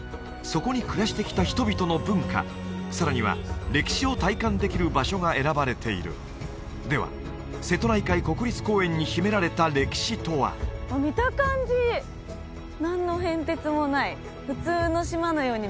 そこに暮らしてきた人々の文化さらには歴史を体感できる場所が選ばれているでは瀬戸内海国立公園に秘められた歴史とは何だろう？